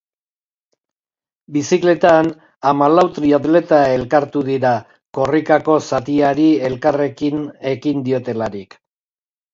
Bizikletan, hamalau triatleta elkartu dira, korrikako zatiari elkarrekin ekin diotelarik.